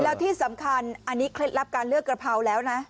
แล้วที่สำคัญอันนี้เคล็ดลับการเลือกกระเพราแล้วนะ